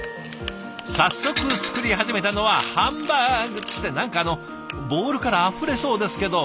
早速作り始めたのはハンバーグって何かあのボウルからあふれそうですけど。